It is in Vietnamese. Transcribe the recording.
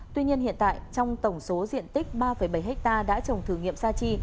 tuy nhiên hiện tại trong tổng số diện tích ba bảy hectare đã trồng thử nghiệm sa chi